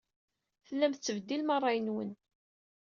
Tellam tettbeddilem ṛṛay-nwen.